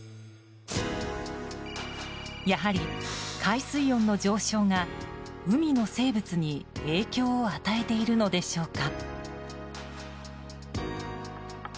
やはり、海水温の上昇が海の生物に影響を与えているのでしょうか。